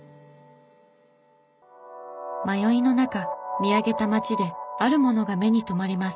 迷いの中見上げた町であるものが目に留まります。